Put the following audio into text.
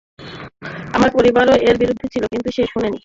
তার পরিবারও এর বিরুদ্ধে ছিল, কিন্তু সে শুনেনি।